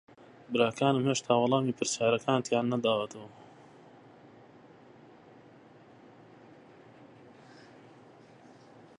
براکانم هێشتا وەڵامی پرسیارەکانتیان نەداوەتەوە.